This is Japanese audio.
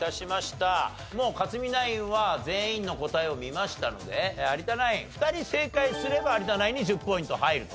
もう克実ナインは全員の答えを見ましたので有田ナイン２人正解すれば有田ナインに１０ポイント入ると。